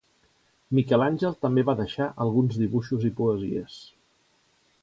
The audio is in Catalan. Miquel Àngel també va deixar alguns dibuixos i poesies.